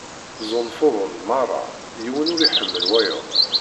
Zzunfuḍen merra, yiwen ur iḥemmel wayeḍ.